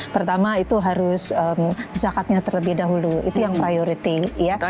pertama itu harus zakatnya terlebih dahulu itu yang priority ya